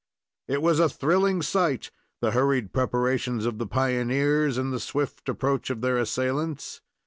It was a thrilling sight, the hurried preparations of the pioneers, and the swift approach of their assailants.